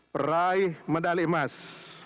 peraih medali emas